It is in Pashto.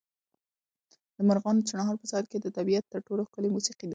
د مرغانو چڼهار په سهار کې د طبیعت تر ټولو ښکلې موسیقي ده.